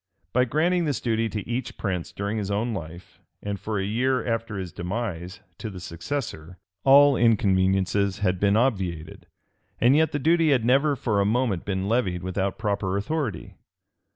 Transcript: By granting this duty to each prince during his own life, and for a year after his demise to the successor, all inconveniencies had been obviated; and yet the duty had never for a moment been levied without proper authority.